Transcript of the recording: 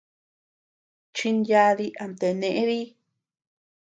Chinyadi, amtea nee dii.